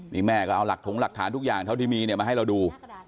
แม่ก็เอาหลักฐานทุกอย่างเท่าที่มีมาให้เราดู